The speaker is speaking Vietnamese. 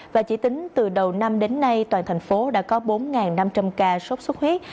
và chỉ tính từ đầu năm đến nay toàn thành phố đã có bốn năm trăm linh ca sốt xuất huyết